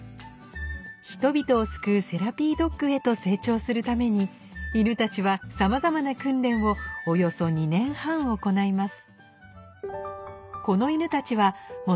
人々を救うセラピードッグへと成長するために犬たちはさまざまな訓練をおよそ２年半行います